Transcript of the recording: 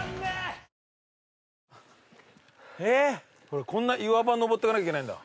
これこんな岩場登ってかなきゃいけないんだ。